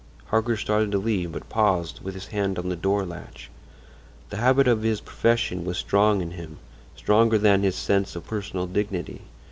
Harker started to leave, but paused, with his hand on the door latch. The habit of his profession was strong in him—stronger than his sense of personal dignity.